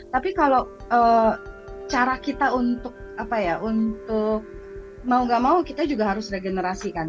tapi kalau cara kita untuk apa ya untuk mau gak mau kita juga harus regenerasi kan